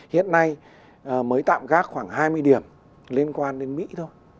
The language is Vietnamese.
hiện nay mới tạm gác khoảng hai mươi điểm liên quan đến mỹ thôi